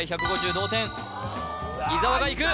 同点伊沢がいく！